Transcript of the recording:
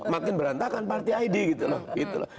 makin berantakan partai id gitu loh